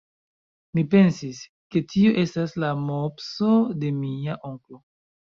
Mi pensis, ke tio estas la mopso de mia onklo.